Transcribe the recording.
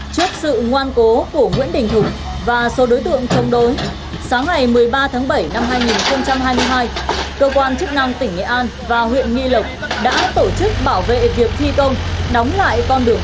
trước sự ngoan cố của nguyễn đình thủng và số đối tượng chống đối sáng ngày một mươi ba tháng bảy năm hai nghìn hai mươi hai cơ quan chức năng tỉnh nghệ an và huyện nghi lộc đã tổ chức bảo vệ việc thi công đóng lại con đường